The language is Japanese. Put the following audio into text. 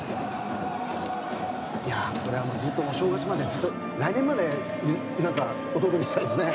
これはお正月まで来年までお届けしたいですね。